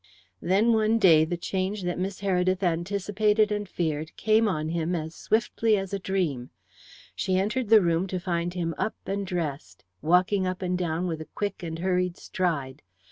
Then one day the change that Miss Heredith anticipated and feared came on him as swiftly as a dream. She entered the room to find him up and dressed, walking up and down with a quick and hurried stride.